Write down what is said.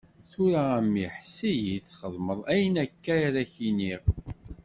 Tura a mmi, ḥess-iyi-d, txedmeḍ ayen akka ara k-d-iniɣ.